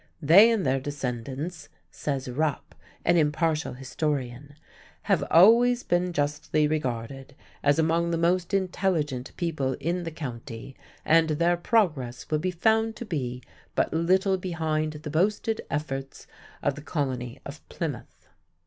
"They and their descendants," says Rupp, an impartial historian, "have always been justly regarded as among the most intelligent people in the County and their progress will be found to be but little behind the boasted efforts of the Colony of Plymouth."